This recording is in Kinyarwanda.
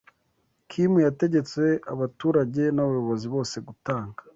Kimu yategetse abaturage n’abayobozi bose gutanga